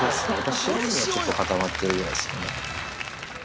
白身がちょっと固まってるぐらいですかね。